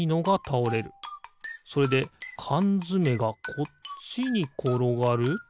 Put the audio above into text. それでかんづめがこっちにころがる？